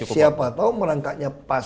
siapa tahu merangkaknya pas